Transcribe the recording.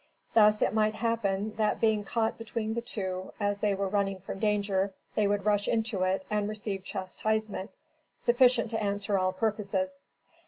Thus it might happen that being caught between the two, as they were running from danger they would rush into it and receive chastisement sufficient to answer all purposes.